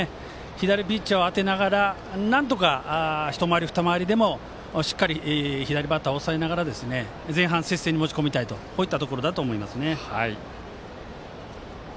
左ピッチャーを当てながらなんとか１回り、２回りでも左バッターを抑えながら前半、接戦に持ち込みたいといったところだと思います。